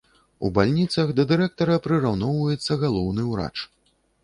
У бальніцах да дырэктара прыраўноўваецца галоўны ўрач.